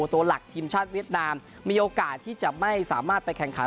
ตัวหลักทีมชาติเวียดนามมีโอกาสที่จะไม่สามารถไปแข่งขัน